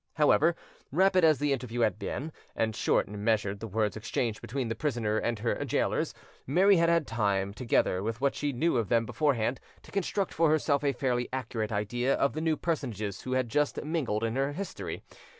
However, rapid as the interview had been, and short and measured the words exchanged between the prisoner and her gaolers, Mary had had time, together with what she knew of them beforehand, to construct for herself a fairly accurate idea of the new personages who had just mingled in her history.